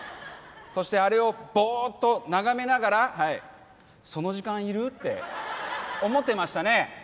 そしてあれをボーッと眺めながらはい「その時間いる？」って思ってましたね